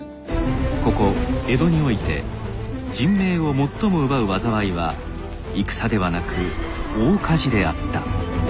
ここ江戸において人命を最も奪う災いは戦ではなく大火事であった。